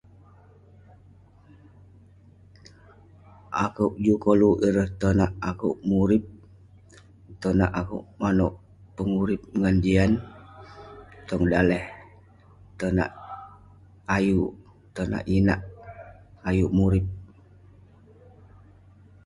akuek juk koluk ireh tonak akuek murip tonal akuek manuek pengurip ngan jian tong daleh tonak ayuk tonak inak ayuk murip